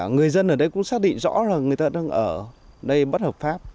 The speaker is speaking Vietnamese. người dân ở đây cũng xác định rõ là người ta đang ở đây bất hợp pháp